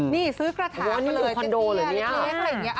นี่ซื้อกระถาปะเลยเจ๊เตี้ยเล็กอะไรอย่างนี้